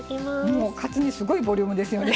もうカツ煮すごいボリュームですよね。